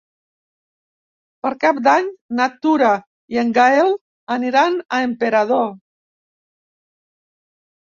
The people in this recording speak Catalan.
Per Cap d'Any na Tura i en Gaël aniran a Emperador.